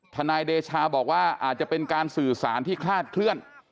นายเดชาบอกว่าอาจจะเป็นการสื่อสารที่คลาดเคลื่อน